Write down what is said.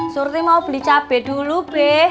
surti mau beli cabai dulu b